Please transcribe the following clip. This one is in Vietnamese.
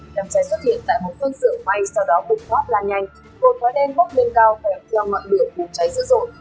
đàn cháy xuất hiện tại một phân xưởng máy sau đó bụng thoát làn nhanh hồ thói đen bốc lên cao phèo theo mọi lửa bụng cháy dữ dội